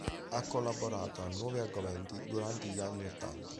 Ha collaborato a "Nuovi Argomenti" durante gli anni ottanta.